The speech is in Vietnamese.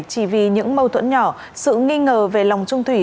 chỉ vì những mâu thuẫn nhỏ sự nghi ngờ về lòng trung thủy